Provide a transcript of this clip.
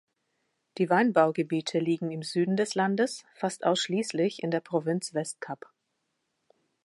Die Weinbaugebiete liegen im Süden des Landes, fast ausschließlich in der Provinz Westkap.